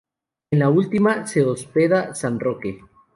En la última se "hospeda" "San Roque".